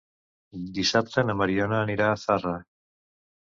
Dissabte na Mariona anirà a Zarra.